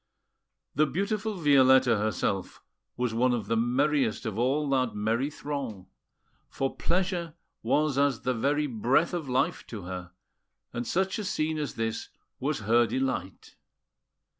The beautiful Violetta herself was one of the merriest of all that merry throng; for pleasure was as the very breath of life to her, and such a scene as this was her delight.